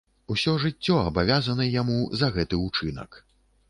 Усё жыццё абавязаны яму за гэты ўчынак.